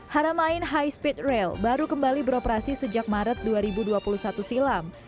haramain high speed rail baru kembali beroperasi sejak maret dua ribu dua puluh satu silam